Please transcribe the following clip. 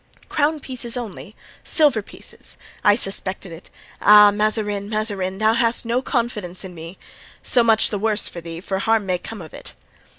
"Crown pieces only—silver pieces! I suspected it. Ah! Mazarin! Mazarin! thou hast no confidence in me! so much the worse for thee, for harm may come of it!"